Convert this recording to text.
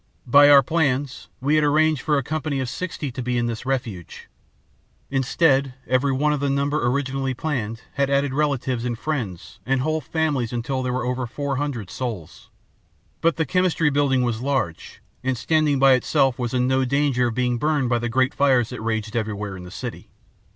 By our plans, we had arranged for a company of sixty to be in this refuge. Instead, every one of the number originally planned had added relatives and friends and whole families until there were over four hundred souls. But the Chemistry Building was large, and, standing by itself, was in no danger of being burned by the great fires that raged everywhere in the city.